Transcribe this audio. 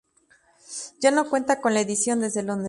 Ya no cuenta con la edición desde Londres.